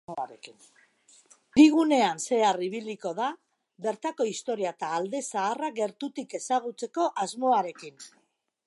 Hirigunean zehar ibiliko da, bertako historia eta alde zaharra gertutik ezagutzeko asmoarekin.